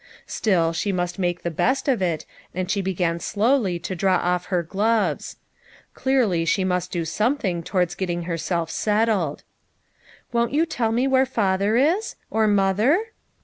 Still, she must make the best of it, and she began slowly to draw off her gloves. Clearly she must do something towards getting herself settled. "Won't you tell me where father is? or mother?"